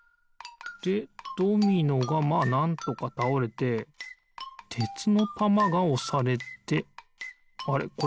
でドミノがまあなんとかたおれててつのたまがおされてあれ？